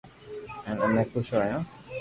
ھين امي خوݾ ھويو